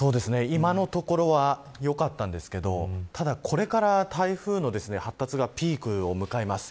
今のところよかったんですけれどこれから台風の発達がピークを迎えます。